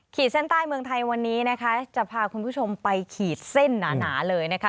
ขีดเส้นใต้เมืองไทยวันนี้นะคะจะพาคุณผู้ชมไปขีดเส้นหนาเลยนะคะ